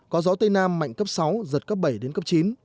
có gió tây nam mạnh cấp sáu giật cấp bảy đến cấp chín